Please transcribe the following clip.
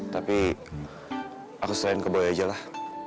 tapi aku serahin ke boy aja lah